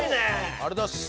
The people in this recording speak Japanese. ありがとうございます。